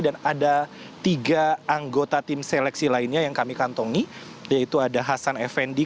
dan ada tiga anggota tim seleksi lainnya yang kami kantongi yaitu ada hasan effendi